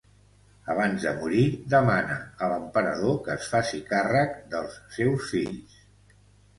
Abans de morir, demana a l'emperador que es faci càrrec dels seus fills.